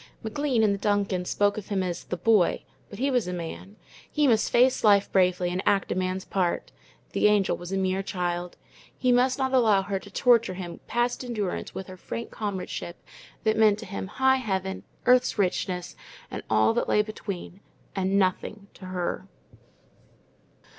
McLean and the Duncans spoke of him as "the boy," but he was a man. He must face life bravely and act a man's part. The Angel was a mere child. He must not allow her to torture him past endurance with her frank comradeship that meant to him high heaven, earth's richness, and all that lay between, and NOTHING to her.